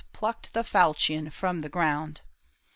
Plucked the falchion from the ground.